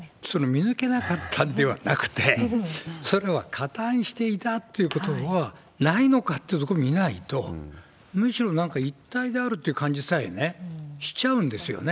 見抜けなかったんではなくて、それは加担していたということはないのかというところを見ないと、むしろ、なんか一体であるという感じさえしちゃうんですよね。